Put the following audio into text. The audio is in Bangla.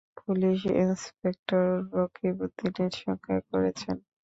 পুলিশ ইন্সপেক্টর রকিবউদ্দিনের সঙ্গে করেছেন।